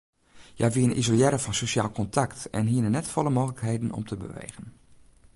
Hja wiene isolearre fan sosjaal kontakt en hiene net folle mooglikheden om te bewegen.